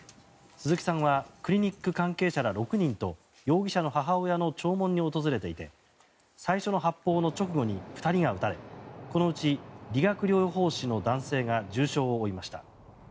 鈴木さんはクリニック関係者ら６人と容疑者の母親の弔問に訪れていて最初の発砲の直後に２人が撃たれこのうち理学療法士の男性が重傷を負いました。